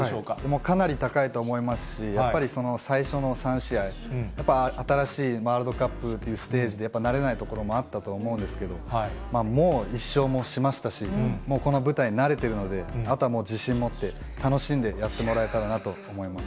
もうかなり高いと思いますし、やっぱり最初の３試合、やっぱ新しいワールドカップというステージで、やっぱり慣れないところもあったと思うんですけれども、もう１勝もしましたし、もうこの舞台、慣れてるので、あとはもう自信もって、楽しんでやってもらえたらなと思います。